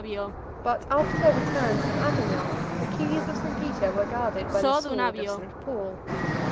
But after their return from Avignon, the keys of St. Peter were guarded by the sword of St. Paul.